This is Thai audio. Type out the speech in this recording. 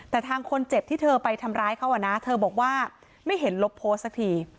แต่ทางคนเจ็บที่เธอไปทำร้ายเขาอ่ะนะเธอบอกว่าไม่เห็นลบโพสต์สักที